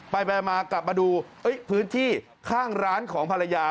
ไปมากลับมาดูพื้นที่ข้างร้านของภรรยา